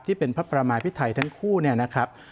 ที่เป็นพระประมาพิไทยทั้งคู่เนี่ยนะครับ